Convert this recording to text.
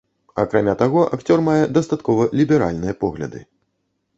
Акрамя таго, акцёр мае дастаткова ліберальныя погляды.